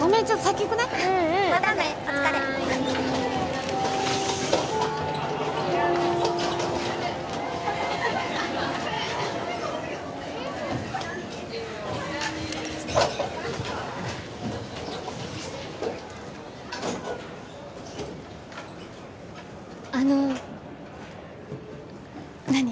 ごめんちょっと先行くねうんまたねお疲れはいあの何？